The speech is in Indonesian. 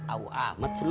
awu amat sih lu